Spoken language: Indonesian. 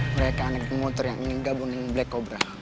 mereka anak motor yang ingin gabung dengan black cobra